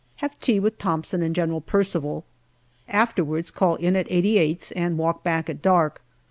Have tea with Thomson and General Percival. Afterwards call in at 88th, and walk back at dark.